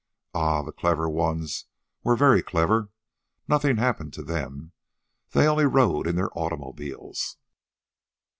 Ah, the clever ones were very clever. Nothing happened to them. They only rode in their automobiles.